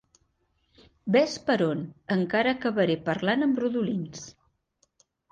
Vés per on, encara acabaré parlant amb rodolins.